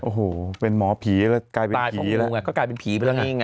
โอ้โหเป็นหมอผีแล้วกลายเป็นผีแล้วไงก็กลายเป็นผีไปแล้วไง